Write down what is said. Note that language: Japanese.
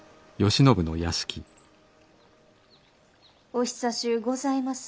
お久しゅうございます。